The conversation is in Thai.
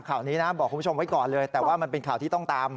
คุณผู้ชมไว้ก่อนเลยแต่ว่ามันเป็นข่าวที่ต้องตาม